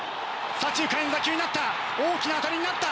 左中間への打球になった大きな当たりになった！